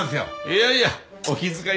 いやいや。